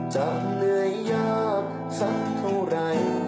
จะเหนื่อยยากสักเท่าไร